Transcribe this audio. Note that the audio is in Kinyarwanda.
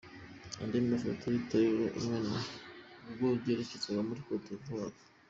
Andi mafoto y'Itorero Imena ubwo ryerekezaga muri Côte d'Ivoire.